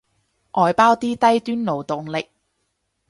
外包啲低端勞動力